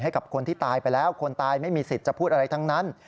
ให้กับคนที่ตายไปแล้วคนตายไม่มีสิทธิ์จะพูดอะไรทั้งนั้น